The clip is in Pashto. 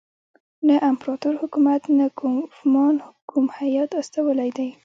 نه امپراطور حکومت نه کوفمان کوم هیات استولی دی.